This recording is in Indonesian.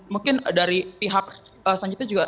mungkin dari pihak selanjutnya juga